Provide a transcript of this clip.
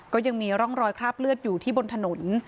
ก็ยังมีร่องรอยคราบเลือดอยู่ที่บนถนน